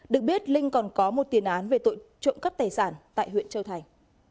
được biết linh còn có một tiền án về tội trộm cắp tài sản tại huyện châu thành